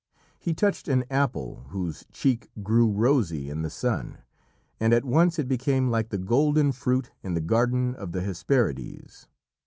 He touched an apple whose cheek grew rosy in the sun, and at once it became like the golden fruit in the Garden of the Hesperides.